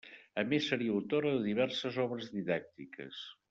A més seria autora de diverses obres didàctiques.